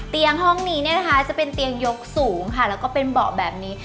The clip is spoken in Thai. ห้องนี้เนี่ยนะคะจะเป็นเตียงยกสูงค่ะแล้วก็เป็นเบาะแบบนี้